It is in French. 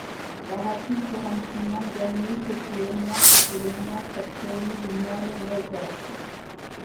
Baratti, Fiorentina, Gagno, Populonia, Populonia Stazione, Vignale Riotorto.